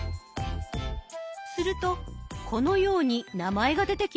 するとこのように名前が出てきました。